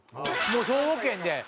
もう兵庫県で。